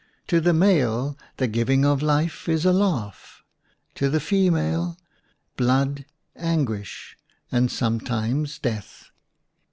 To the male, the giving of life is a laugh; to the female, blood, anguish, and sometimes death.